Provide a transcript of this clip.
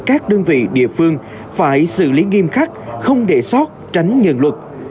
các đơn vị địa phương phải xử lý nghiêm khắc không để sót tránh nhận luật